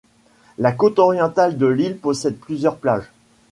La côte orientale de l'île possède plusieurs plages.